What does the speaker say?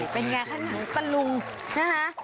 เป็นไงคะหนังตะลุงนะคะ